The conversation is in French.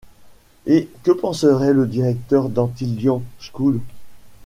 Et que penserait le directeur d’Antilian School. ..